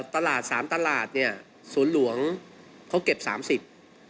ตลาด๓ตลาดศูนย์หลวงเขาเก็บ๓๐ตลาด